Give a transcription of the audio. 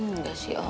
enggak sih om